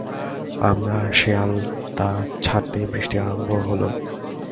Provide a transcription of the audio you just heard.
আমরা শেয়ালদা ছাড়তেই বৃষ্টি আরম্ভ হল।